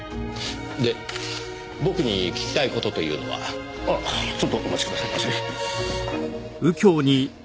で僕に聞きたい事というのは？あっちょっとお待ちくださいませ。